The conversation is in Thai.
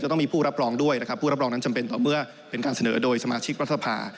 ต้องมีผู้รับรองด้วยนะครับผู้รับรองนั้นจำเป็นต่อเมื่อเป็นการเสนอโดยสมาชิกรัฐสภา